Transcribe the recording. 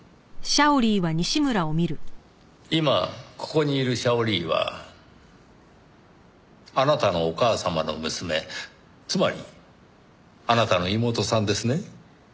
今ここにいるシャオリーはあなたのお母様の娘つまりあなたの妹さんですね？